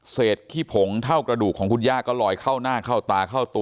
ขี้ผงเท่ากระดูกของคุณย่าก็ลอยเข้าหน้าเข้าตาเข้าตัว